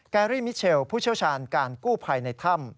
การี่มิเชลผู้เชี่ยวชาญการกู้ภัยในถ้ำ